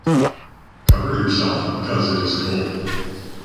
Cover yourself because it is cold.